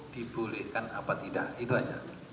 dibolehkan apa tidak itu aja